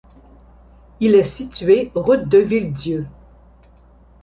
Il est situé route de Villedieu.